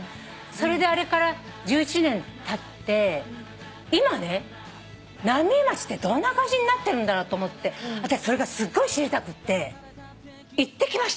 それであれから１１年たって今ね浪江町ってどんな感じになってるんだろうと思ってあたしそれがすごい知りたくって行ってきましたので。